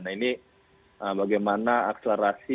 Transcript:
nah ini bagaimana akselerasi